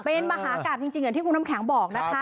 เป็นมหากราบจริงอย่างที่คุณน้ำแข็งบอกนะคะ